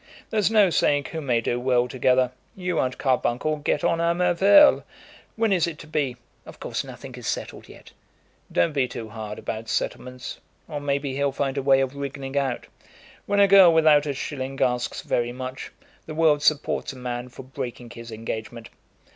There's no saying who may do well together. You and Carbuncle get on à merveille. When is it to be?" "Of course nothing is settled yet." "Don't be too hard about settlements, or, maybe, he'll find a way of wriggling out. When a girl without a shilling asks very much, the world supports a man for breaking his engagement.